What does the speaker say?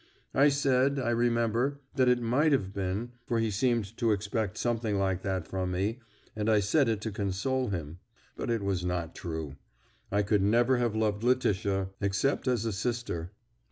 I said, I remember, that it might have been, for he seemed to expect something like that from me, and I said it to console him. But it was not true; I could never have loved Letitia except as a sister."